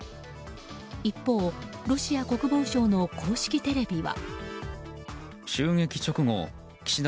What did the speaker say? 一方、ロシア国防省の公式テレビは。